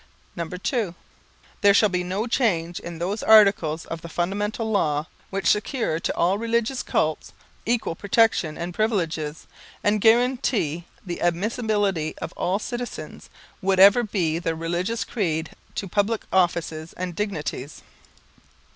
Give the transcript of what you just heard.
_ (2) _There shall be no change in those Articles of the Fundamental Law which secure to all religious cults equal protection and privileges, and guarantee the admissibility of all citizens, whatever be their religious creed, to public offices and dignities.